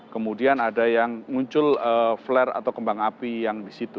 kemudian ada yang muncul flare atau kembang api yang di situ